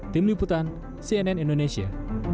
tim liputan cnn indonesia